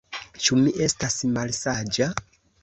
Ĉu mi estas malsaĝa?